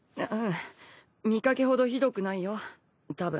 Δ見かけほどひどくないよ多分。